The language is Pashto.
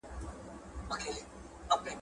ارغنداب سیند د وچکالۍ په وخت کې ژوندی امید و.